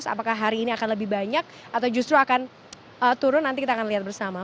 apakah hari ini akan lebih banyak atau justru akan turun nanti kita akan lihat bersama